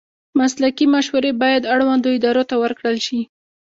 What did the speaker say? مسلکي مشورې باید اړوندو ادارو ته ورکړل شي.